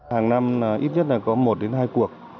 hàng năm ít nhất là có một đến hai cuộc